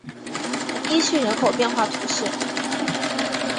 伊叙人口变化图示